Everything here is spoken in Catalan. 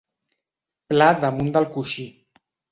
Pla damunt del coixí.